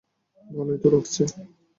ভালোই তো লাগছে।